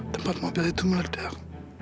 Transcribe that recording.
tempat mobil itu meledak